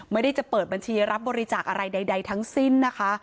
ไม่ได้จะเปิดบัญชีรับบริจาคอะไรใดทั้งสิ้นนะคะ